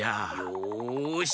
よし！